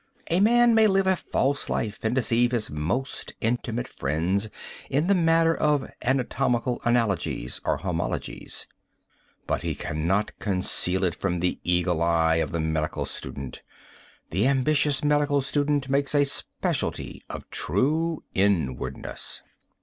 A man may live a false life and deceive his most intimate friends in the matter of anatomical analogies or homologies, but he cannot conceal it from the eagle eye of the medical student. The ambitious medical student makes a specialty of true inwardness.